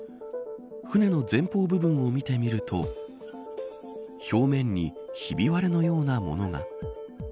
船の前方部分を見てみると表面にひび割れのようなものが。